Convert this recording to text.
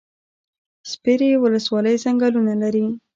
سپیرې ولسوالۍ ځنګلونه لري؟